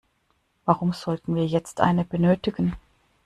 Warum sollten wir jetzt eine benötigen?